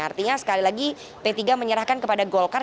artinya sekali lagi p tiga menyerahkan kepada golkar